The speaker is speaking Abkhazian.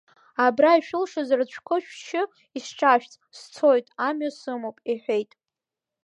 Абра ишәылшозар цәкы шәшьы, исҿашәҵ, сцоит, амҩа сымоуп, — иҳәеит.